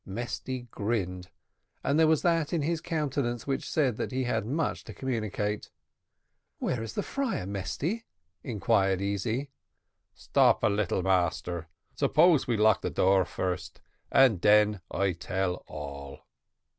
Mesty grinned, and there was that in his countenance which said that he had much to communicate. "Where is the friar, Mesty?" inquired Easy. "Stop a little, Massa suppose we lock door first, and den I tell all."